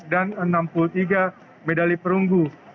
dan enam puluh tiga medali perunggu